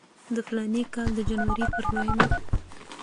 د فلاني کال د جنورۍ پر دویمه.